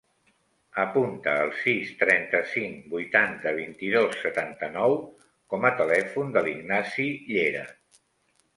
Apunta el sis, trenta-cinc, vuitanta, vint-i-dos, setanta-nou com a telèfon de l'Ignasi Llera.